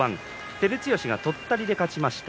照強が、とったりで勝ちました。